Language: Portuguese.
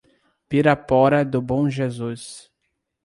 Pirapora do Bom Jesus